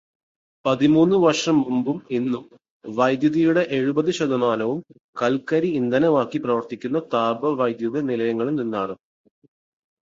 പതിമൂന്ന് വർഷം മുമ്പും ഇന്നും വൈദ്യുതിയുടെ എഴുപത് ശതമാനവും കൽക്കരി ഇന്ധനമാക്കി പ്രവർത്തിക്കുന്ന താപവൈദ്യുത നിലയങ്ങളിൽ നിന്നാണ്.